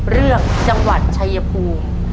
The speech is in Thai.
เรื่องจังหวัดชายภูมิ